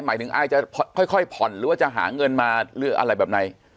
หมายถึงอายจะค่อยผ่อนหรือว่าจะหาเงินมาหรืออะไรแบบไหน